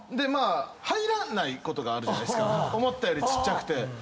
入らないことあるじゃないですか思ったよりちっちゃくて。